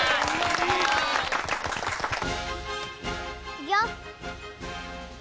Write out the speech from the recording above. いくよ！